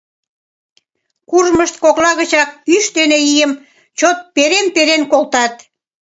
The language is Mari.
Куржмышт кокла гычак ӱш дене ийым чот перен-перен колтат.